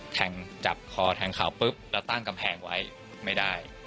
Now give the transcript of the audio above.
แถงจับคอแถงขาวปึ๊บแล้วตั้งแก่งไว่ไม่ได้